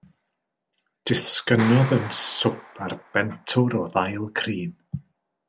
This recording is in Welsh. Disgynnodd yn swp ar bentwr o ddail crin.